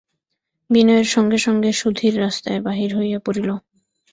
বিনয়ের সঙ্গে সঙ্গে সুধীর রাস্তায় বাহির হইয়া পড়িল।